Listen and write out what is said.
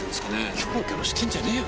キョロキョロしてんじゃねえよ。